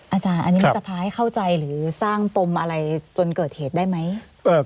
อาจารย์อันนี้มันจะพาให้เข้าใจหรือสร้างปมอะไรจนเกิดเหตุได้ไหม